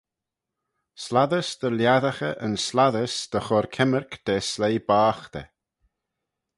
Slattys dy lhiassaghey yn slattys dy chur kemmyrk da sleih boghtey.